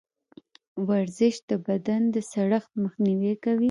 ورزش د بدن د سړښت مخنیوی کوي.